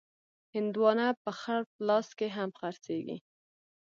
هندوانه په خړ پلاس کې هم خرڅېږي.